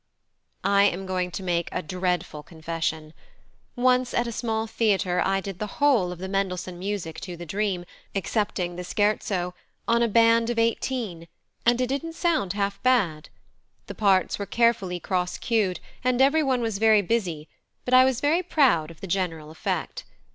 I am going to make a dreadful confession. Once at a small theatre I did the whole of the Mendelssohn music to the Dream, excepting the scherzo, on a band of eighteen, and it didn't sound half bad. The parts were carefully cross cued, and everyone was very busy, but I was very proud of the general effect.